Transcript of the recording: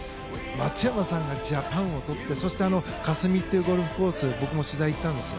松山さんがジャパンをとってそして、あのゴルフコース僕も行ったんですよ。